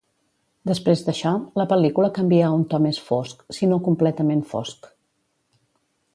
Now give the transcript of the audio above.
Després d'això, la pel·lícula canvia a un to més fosc, si no completament fosc.